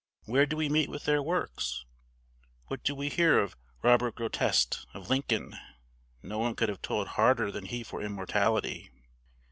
Where do we meet with their works? What do we hear of Robert Grosteste of Lincoln? No one could have toiled harder than he for immortality.